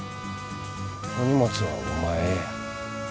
お荷物はお前や。